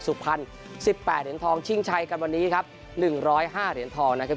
สุขพันธ์๑๘เดือนทองชิงชัยกันวันนี้ครับ๑๐๕เดือนทองนะครับ